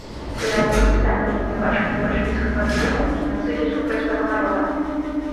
З'яўляецца дакументальным абвінавачваннем бальшавіцкага рэжыму ў генацыдзе супраць свайго народа.